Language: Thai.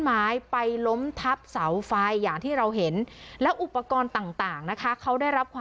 มีประชาชนในพื้นที่เขาถ่ายคลิปเอาไว้ได้ค่ะ